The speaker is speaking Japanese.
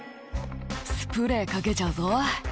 「スプレーかけちゃうぞ」